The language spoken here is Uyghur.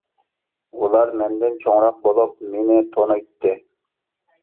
ئۇلار مەندىن چوڭراق بولۇپ مېنى تونۇيتتى.